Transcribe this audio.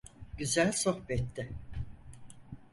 Güzel sohbetti.